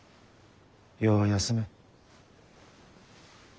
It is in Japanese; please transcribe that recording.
よう休め。